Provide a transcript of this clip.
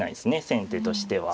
先手としては。